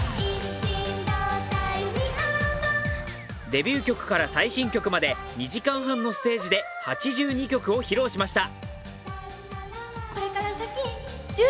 デビュー曲から最新曲まで２時間半のステージで８２曲を披露しました。